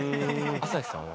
朝日さんは？